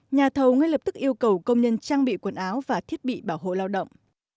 nhà thầu ngay lập tức yêu cầu công nhân trang bị quần áo và thiết bị bảo hộ lao động